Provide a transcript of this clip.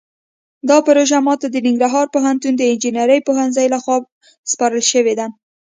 دا پروژه ماته د ننګرهار پوهنتون د انجنیرۍ پوهنځۍ لخوا سپارل شوې ده